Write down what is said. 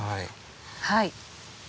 はい。